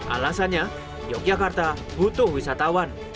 alasannya yogyakarta butuh wisatawan